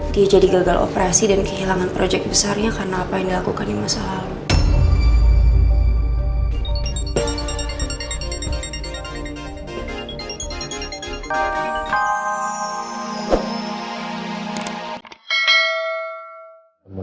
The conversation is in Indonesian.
dia jadi gagal operasi dan kehilangan proyek besarnya karena apa yang dilakukan di masa lalu